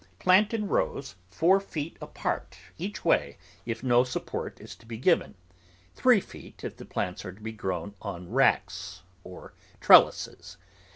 Plant in rows, four feet apart each way if no support is to be given, three feet if the plants are to be grown on racks or trellises.